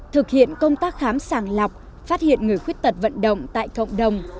thực hiện công tác khám sàng lọc phát hiện người khuyết tật vận động tại cộng đồng